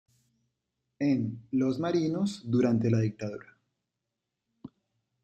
En "Los marinos durante la dictadura.